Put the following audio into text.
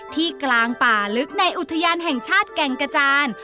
กลางป่าลึกในอุทยานแห่งชาติแก่งกระจาน